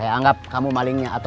ya pulang aja